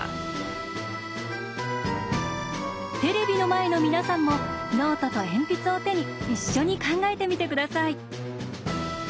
テレビの前の皆さんもノートと鉛筆を手に一緒に考えてみてください。